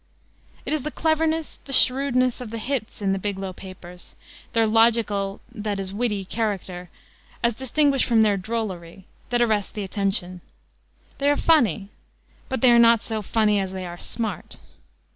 It is the cleverness, the shrewdness of the hits in the Biglow Papers, their logical, that is, witty character, as distinguished from their drollery, that arrests the attention. They are funny, but they are not so funny as they are smart.